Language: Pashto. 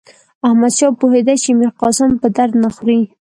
احمدشاه پوهېدی چې میرقاسم په درد نه خوري.